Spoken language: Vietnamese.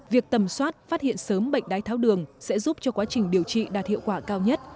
việc tầm soát phát hiện sớm bệnh đái tháo đường sẽ giúp cho quá trình điều trị đạt hiệu quả cao nhất